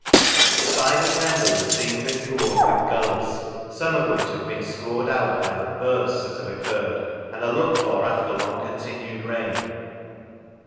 The side of Pendle is seamed and gored with gullies, some of which have been scored out by the " bursts " that have occurred, and are looked for after long continued rain.